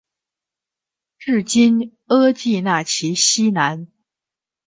治今额济纳旗西南。